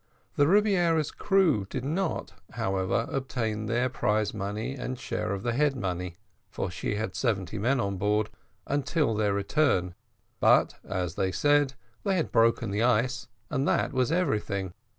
The Rebiera's crew did not, however, obtain their prize money and share of the head money, for she had seventy men on board, until their return, but, as they did, they had broken the ice, and that was everything.